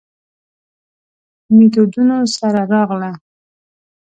میتودونو سره راغله.